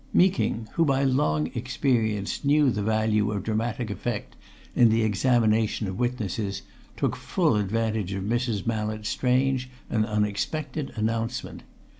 Meeking, who by long experience knew the value of dramatic effect in the examination of witnesses, took full advantage of Mrs. Mallett's strange and unexpected announcement.